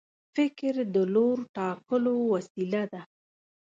فکر د لور ټاکلو وسیله ده.